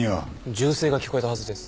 銃声が聞こえたはずです。